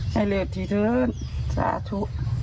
ให้เรียกที่เธอสาธุ